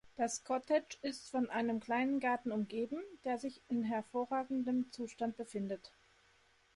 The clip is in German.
Das Cottage ist von einem kleinen Garten umgeben, der sich in hervorragendem Zustand befindet.